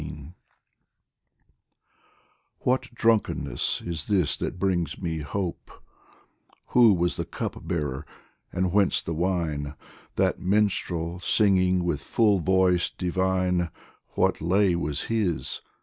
XIX WHAT drunkenness is this that brings me hope Who was the Cup bearer, and whence the wine ? That minstrel singing with full voice divine, What lay was his